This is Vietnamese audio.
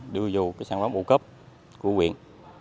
đưa vô sản phẩm bộ cấp của uyên